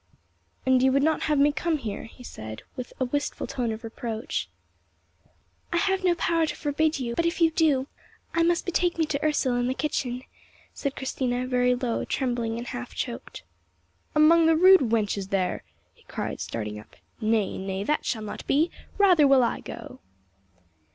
"And you would not have me come here!" he said, with a wistful tone of reproach. "I have no power to forbid you; but if you do, I must betake me to Ursel in the kitchen," said Christina, very low, trembling and half choked. "Among the rude wenches there!" he cried, starting up. "Nay, nay, that shall not be! Rather will I go."